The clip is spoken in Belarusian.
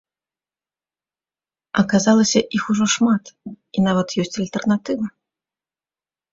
Аказалася, іх ужо шмат, і нават ёсць альтэрнатыва.